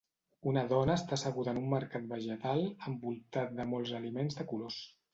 Una dona està asseguda en un mercat vegetal envoltat de molts aliments de colors.